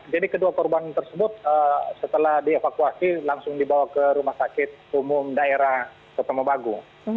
jadi kedua korban tersebut setelah dievakuasi langsung dibawa ke rumah sakit umum daerah ketamabagu